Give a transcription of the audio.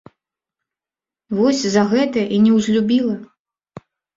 Вось за гэта і неўзлюбіла.